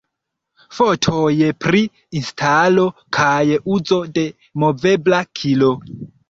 Fotoj pri instalo kaj uzo de "movebla kilo"